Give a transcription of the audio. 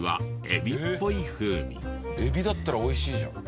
エビだったらおいしいじゃん。